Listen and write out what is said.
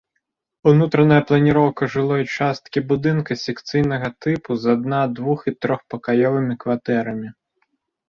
Унутраная планіроўка жылой часткі будынка секцыйнага тыпу з адна-, двух- і трохпакаёвымі кватэрамі.